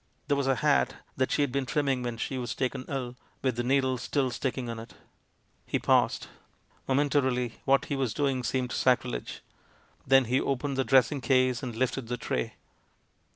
There was a hat that she had been trimming when she was taken ill, with the needle still sticking in it. He paused. Momentarily, what he was doing seemed sacrilege. Then he opened the dressing case and lifted the tray.